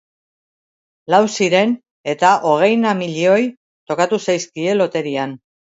Lau ziren eta hogeina milioi tokatu zaizkie loterian.